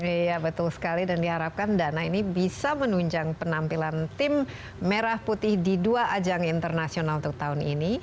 iya betul sekali dan diharapkan dana ini bisa menunjang penampilan tim merah putih di dua ajang internasional untuk tahun ini